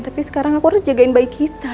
tapi sekarang aku harus jagain baik kita